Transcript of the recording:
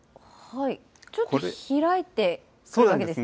ちょっと開いてくるわけですね。